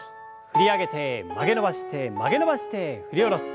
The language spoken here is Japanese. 振り上げて曲げ伸ばして曲げ伸ばして振り下ろす。